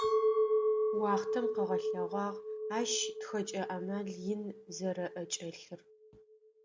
Уахътэм къыгъэлъэгъуагъ ащ тхэкӏэ амал ин зэрэӏэкӏэлъыр.